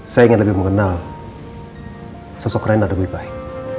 saya ingin lebih mengenal sosok renda lebih baik